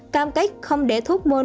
cam kết không để thuốc monoprever